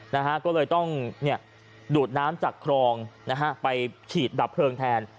นะฮะก็เลยต้องเนี่ยดูดน้ำจากครองนะฮะไปฉีดดับเพลิงแทน